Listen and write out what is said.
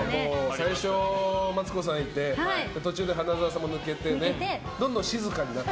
最初マツコさんいて途中で花澤さん抜けてどんどん静かになって。